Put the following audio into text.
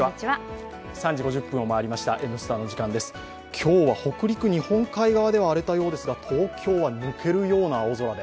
今日は北陸、日本海側では荒れたようですが、東京は抜けるような青空で。